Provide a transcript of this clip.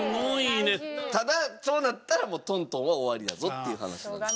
ただそうなったら東東は終わりやぞっていう話なんです。